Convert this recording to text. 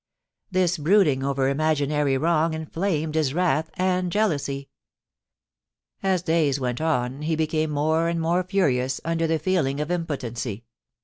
This brooding over imaginary wrong inflamed his wrath and jealousy. As days went on, he became more and more furious under the feeling of impotency.